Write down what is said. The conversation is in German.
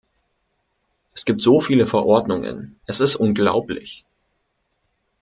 Es gibt so viele Verordnungen, es ist unglaublich.